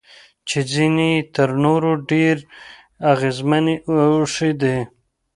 چې ځینې یې تر نورو ډېرې اغیزمنې او ښې دي.